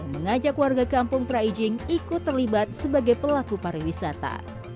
mengajak warga kampung praijing ikut terlibat sebagai pelaku pariwisata